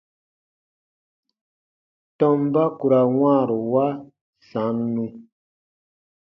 Tɔmba ku ra wãaru wa sannu.